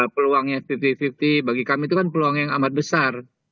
peluangnya lima puluh lima puluh bagi kami itu kan peluang yang amat besar